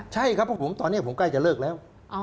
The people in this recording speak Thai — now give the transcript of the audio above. ใช่ครับเพราะผมตอนนี้ผมใกล้จะเลิกแล้ว